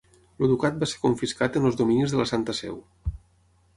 El ducat va ser confiscat en els dominis de la Santa Seu.